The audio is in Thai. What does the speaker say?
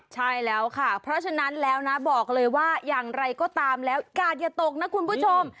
ใช่แล้วค่ะเพราะฉะนั้นแล้วนะบอกเลยว่าอย่างไรก็ตามแล้วกาดอย่าตกนะคุณผู้ชม